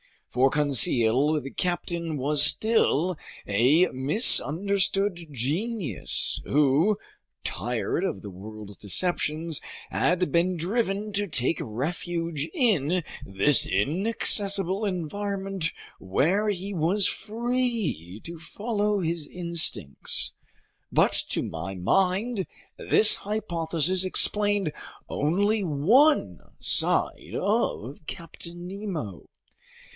For Conseil, the captain was still a misunderstood genius who, tired of the world's deceptions, had been driven to take refuge in this inaccessible environment where he was free to follow his instincts. But to my mind, this hypothesis explained only one side of Captain Nemo.